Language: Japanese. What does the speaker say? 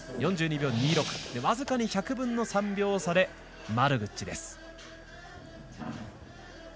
僅かに１００分の３秒差でマルグッチです。